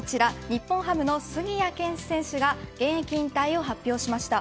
日本ハムの杉谷拳士選手が現役引退を発表しました。